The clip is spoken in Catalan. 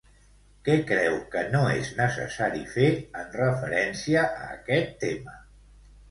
Què creu que no és necessari fer en referència a aquest tema?